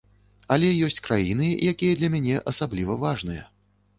Але ёсць краіны, якія для мяне асабліва важныя.